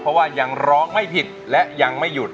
เพราะว่ายังร้องไม่ผิดและยังไม่หยุด